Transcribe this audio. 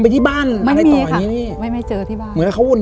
อ่ะวันนั้นพี่หยุด